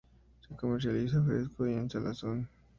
Se comercializa fresco y en salazón.